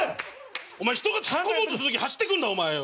お前人が突っ込もうとする時走ってくんなお前よ。